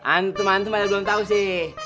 antum antum ada belum tau sih